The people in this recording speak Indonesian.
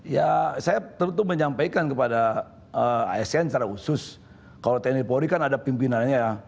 ya saya tentu menyampaikan kepada asn secara khusus kalau tni polri kan ada pimpinannya